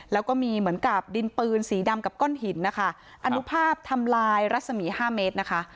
แล้วก็มีเหมือนกับดินปืนสีดำกับก้อนหินนะคะอนุภาพทำลายรัศมี๕เมตรนะคะ